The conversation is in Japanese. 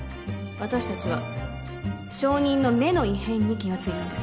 私達は証人の目の異変に気がついたんです